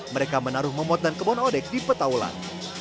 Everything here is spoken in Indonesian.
mereka menaruh momot dan kebun odek di petaulan